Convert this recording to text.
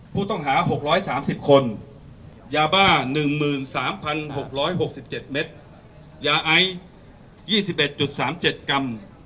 ผู้ต้องหา๖๓๐คนยาบ้า๑๓๖๖๗เมตรยาไอ๒๑๓๗กรัม